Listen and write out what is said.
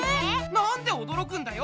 なんでおどろくんだよ？